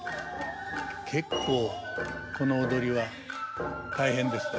結構この踊りは大変ですね。